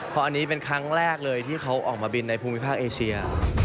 เพราะอันนี้เป็นครั้งแรกเลยที่เขาออกมาบินในภูมิภาคเอเชีย